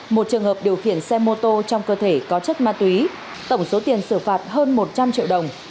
một trường hợp điều khiển xe mô tô trong cơ thể có chất ma túy tổng số tiền xử phạt hơn một trăm linh triệu đồng